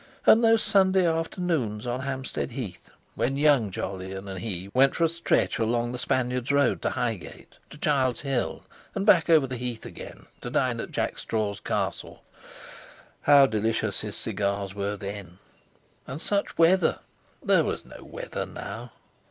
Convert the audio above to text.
And those Sunday afternoons on Hampstead Heath, when young Jolyon and he went for a stretch along the Spaniard's Road to Highgate, to Child's Hill, and back over the Heath again to dine at Jack Straw's Castle—how delicious his cigars were then! And such weather! There was no weather now.